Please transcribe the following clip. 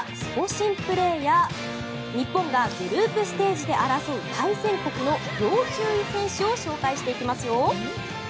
神プレーや日本がグループステージで争う対戦国の要注意選手を紹介していきますよ。